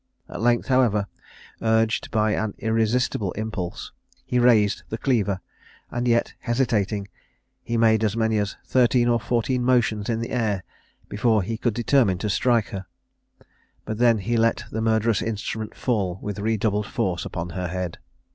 At length, however, urged by an irresistible impulse, he raised the cleaver, and yet, hesitating, he made as many as thirteen or fourteen motions in the air before he could determine to strike her, but then he let the murderous instrument fall with redoubled force upon her head.